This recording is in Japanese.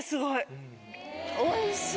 おいしい！